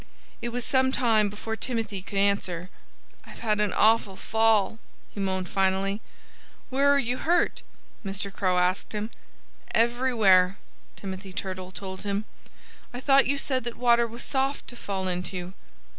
It was some time before Timothy could answer. "I've had an awful fall," he moaned finally. "Where are you hurt?" Mr. Crow asked him. "Everywhere!" Timothy Turtle told him. "I thought you said that water was soft to fall into."